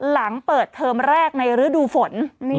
หลังเปิดเทอมแรกในฤดูฝน